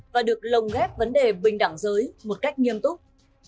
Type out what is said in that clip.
và được lồng ghép vấn đề bình đẳng giới một cách nghiêm túc